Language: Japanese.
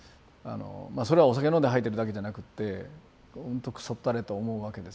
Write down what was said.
それはお酒飲んで吐いてるだけじゃなくってほんとくそったれと思うわけですよね。